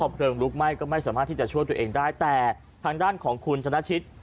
เพลิงลุกไหม้ก็ไม่สามารถที่จะช่วยตัวเองได้แต่ทางด้านของคุณธนชิต